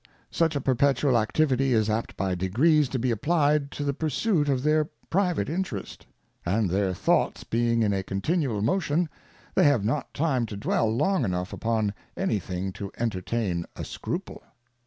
Such a perpetual Activity is apt by degrees to be applied to the pursuit of their private interest. And their thoughts being in a continual motion, they have not time to dwell long enough upon any thing to entertain a scruple.